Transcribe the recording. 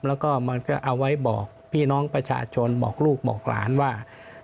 แล้วก็มันก็เอาไว้บอกพี่น้องประชาชนบอกลูกบอกหลานว่า